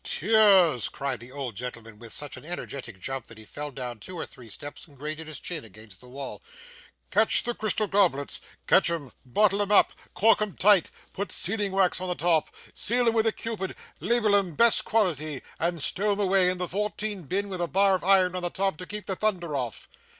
'Tears!' cried the old gentleman, with such an energetic jump, that he fell down two or three steps and grated his chin against the wall. 'Catch the crystal globules catch 'em bottle 'em up cork 'em tight put sealing wax on the top seal 'em with a cupid label 'em "Best quality" and stow 'em away in the fourteen binn, with a bar of iron on the top to keep the thunder off!